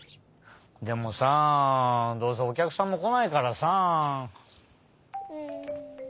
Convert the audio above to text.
でもさどうせおきゃくさんもこないからさ。